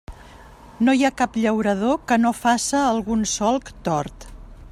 No hi ha cap llaurador que no faça algun solc tort.